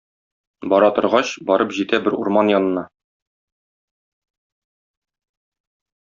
Бара торгач, барып җитә бер урман янына.